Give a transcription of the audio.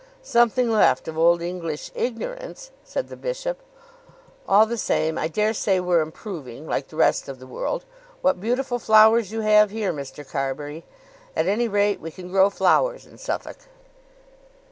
"Something left of old English ignorance," said the bishop. "All the same I dare say we're improving, like the rest of the world. What beautiful flowers you have here, Mr. Carbury! At any rate, we can grow flowers in Suffolk."